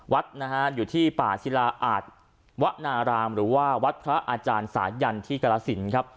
วัดนะฮะอยู่ที่ป่าศิลาอาจวนารามหรือว่าวัดพระอาจารย์สายันที่กรสินครับ